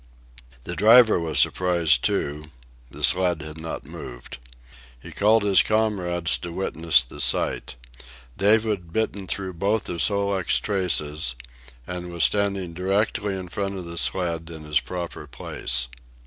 The driver was surprised, too; the sled had not moved. He called his comrades to witness the sight. Dave had bitten through both of Sol leks's traces, and was standing directly in front of the sled in his proper place.